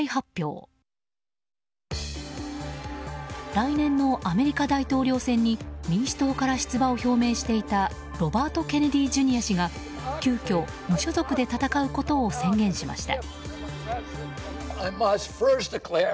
来年のアメリカ大統領選に民主党から出馬を表明していたロバート・ケネディ・ジュニア氏が急きょ、無所属で戦うことを宣言しました。